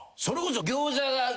それこそ。